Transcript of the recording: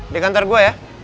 di kantar gue ya